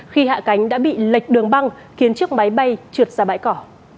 khi hạ cánh đã bị lệch đường băng khiến chiếc máy bay trượt ra bãi cỏ